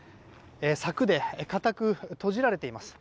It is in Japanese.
柵で固く閉じられています。